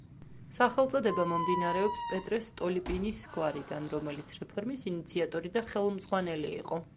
სახელწოდება მომდინარეობს პეტრე სტოლიპინის გვარიდან, რომელიც რეფორმის ინიციატორი და ხელმძღვანელი იყო.